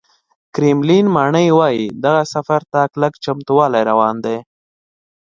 کرملین ماڼۍ وایي، دغه سفر ته کلک چمتووالی روان دی